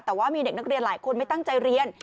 แต่ว่ามีเด็กนักเรียนหลายคนไม่ตั้งใจเรียน